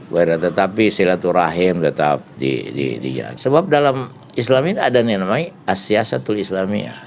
berat tetapi silaturahim tetap di di di sebab dalam islam ini ada yang namanya asyiasatul islamiyah